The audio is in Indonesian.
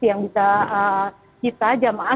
yang bisa kita jamaah